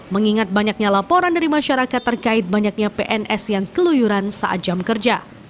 mengingat banyaknya laporan dari masyarakat terkait banyaknya pns yang keluyuran saat jam kerja